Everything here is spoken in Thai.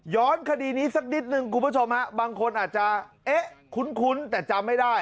คดีนี้สักนิดนึงคุณผู้ชมฮะบางคนอาจจะเอ๊ะคุ้นแต่จำไม่ได้